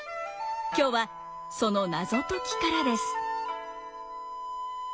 今日はその謎解きからです。